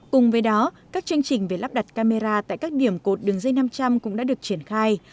cùng với đó các chương trình về lắp đặt camera tại các điểm cột đường dây năm trăm linh cũng đã được triển khai